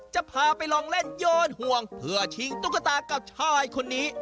จะพาไปลองเล่นโยนห่วงเพื่อชิงตุ๊กตากับชายคนนี้